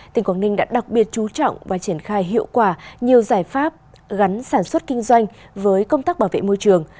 tỉnh quảng ninh đã đặc biệt chú trọng và triển khai hiệu quả nhiều giải pháp gắn sản xuất kinh doanh với công tác bảo vệ môi trường